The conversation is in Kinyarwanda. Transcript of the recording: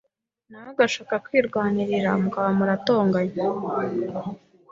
nawe agashaka kwirwanirira mukaba muratonganye.